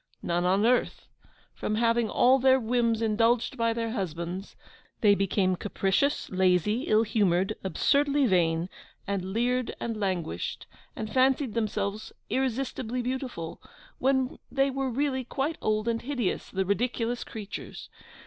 None on earth. From having all their whims indulged by their husbands, they became capricious, lazy, ill humoured, absurdly vain, and leered and languished, and fancied themselves irresistibly beautiful, when they were really quite old and hideous, the ridiculous creatures!